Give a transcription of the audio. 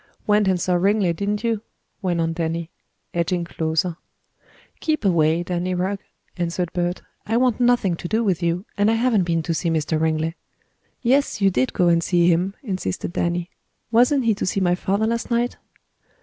"Went and saw Ringley, didn't you?" went on Danny, edging closer. "Keep away, Danny Rugg," answered Bert. "I want nothing to do with you, and I haven't been to see Mr. Ringley." "Yes, you did go and see him," insisted Danny. "Wasn't he to see my father last night?"